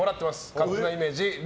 勝手なイメージ。